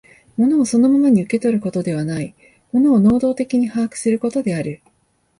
物をそのままに受け取ることではない、物を能働的に把握することである。